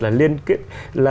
là liên kết